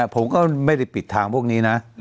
ผมก็ไม่ได้ปิดทางพวกนี้นะ